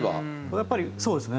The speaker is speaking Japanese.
やっぱりそうですね。